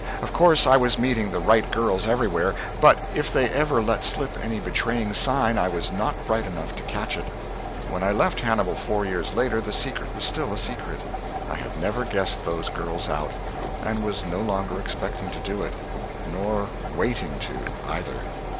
Of course I was meeting the right girls everywhere, but if they ever let slip any betraying sign I was not bright enough to catch it. When I left Hannibal four years later, the secret was still a secret; I had never guessed those girls out, and was no longer expecting to do it. Nor wanting to, either.